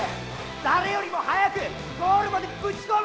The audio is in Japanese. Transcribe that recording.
誰よりも速くゴールまでブチ込む！